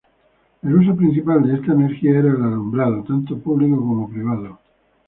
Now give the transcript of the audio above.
El uso principal de esta energía era el alumbrado, tanto público como privado.